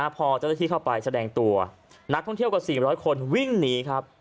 พอเจ้าหน้าที่เข้าไปแสดงตัวนักท่องเที่ยวกว่า๔๐๐คนวิ่งหนีครับ